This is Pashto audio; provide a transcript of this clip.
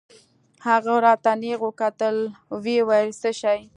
هغه راته نېغ وکتل ويې ويل څه شى.